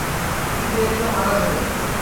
কিন্তু এতে ও মারা যাবে।